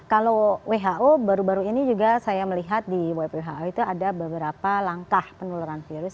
kalau who baru baru ini juga saya melihat di web who itu ada beberapa langkah penularan virus